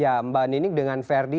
ya mbak nining dengan verdi